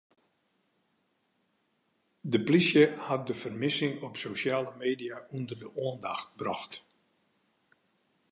De plysje hat de fermissing op sosjale media ûnder de oandacht brocht.